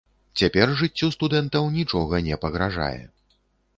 Цяпер жыццю студэнтаў нічога не пагражае.